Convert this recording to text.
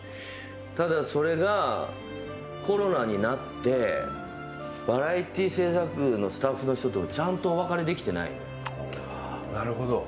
ただ、それがコロナになってバラエティー制作のスタッフの人ともちゃんとお別れできていないの。